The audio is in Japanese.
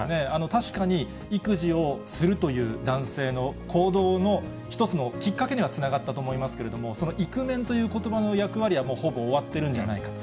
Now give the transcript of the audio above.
確かに育児をするという男性の行動の一つのきっかけにはつながったと思いますけれども、そのイクメンということばの役割は、もう、ほぼ終わってるんじゃないか。